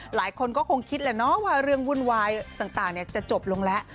หลายคนก็คงคิดแหละเนาะว่าเรื่องวุ่นวายต่างจะจบลงแล้ว